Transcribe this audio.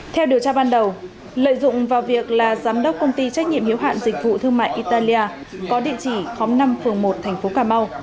theo điều tra ban đầu lợi dụng vào việc là giám đốc công ty trách nhiệm hiếu hạn dịch vụ thương mại italia có địa chỉ khóm năm phường một thành phố cà mau